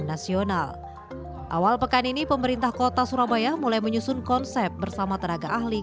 nasional awal pekan ini pemerintah kota surabaya mulai menyusun konsep bersama tenaga ahli